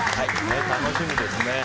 楽しみですね。